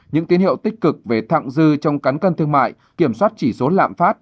những tiến hiệu tích cực về thẳng dư trong cán cân thương mại kiểm soát chỉ số lạm phát